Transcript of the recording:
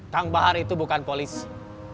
kang bahar itu bukan polisi